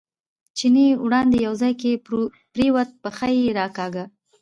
چیني وړاندې یو ځای کې پرېوت، پښه یې راکاږله.